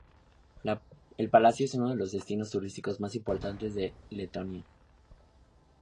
El palacio es uno de los destinos turísticos más importantes de Letonia.